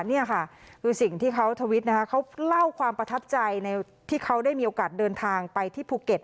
นี่ค่ะคือสิ่งที่เขาทวิตนะคะเขาเล่าความประทับใจที่เขาได้มีโอกาสเดินทางไปที่ภูเก็ต